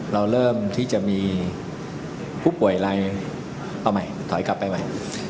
เราเริ่มที่จะมีผู้ป่วยรายหนึ่งเอาใหม่ถอยกลับไปใหม่